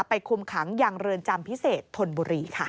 คุมขังยังเรือนจำพิเศษธนบุรีค่ะ